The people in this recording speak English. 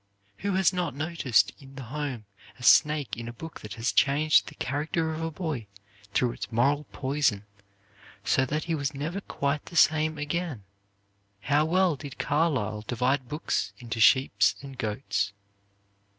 Who has not noticed in the home a snake in a book that has changed the character of a boy through its moral poison so that he was never quite the same again? How well did Carlyle divide books into sheep and goats.